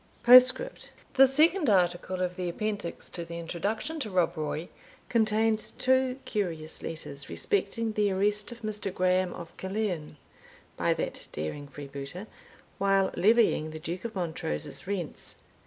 _ POSTSCRIPT. The second article of the Appendix to the Introduction to Rob Roy contains two curious letters respecting the arrest of Mr. Grahame of Killearn by that daring freebooter, while levying the Duke of Montrose's rents.